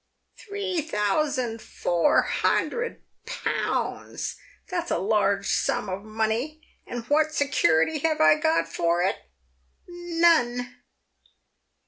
" Three thousand four hundred pounds ! That's a large sum of money. And what security have I got for it ? None